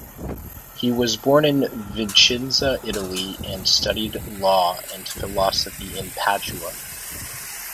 He was born in Vicenza, Italy, and studied law and philosophy in Padua.